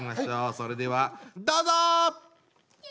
それではどうぞ！